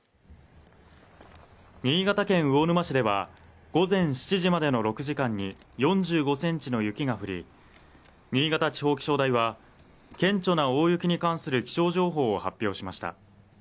新潟県魚沼市では午前７時までの６時間に４５センチの雪が降り新潟地方気象台は顕著な大雪に関する気象情報を発表しました